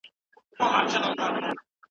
ایا بهرني سوداګر شین ممیز پلوري؟